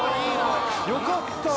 よかった！